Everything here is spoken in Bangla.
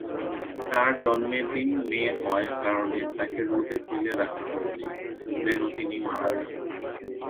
তাঁর জন্মের দিন, মেয়ে হওয়ার কারণে তাঁকে রোদে ফেলে রাখা হয়েছিল যেন তিনি মারা যান।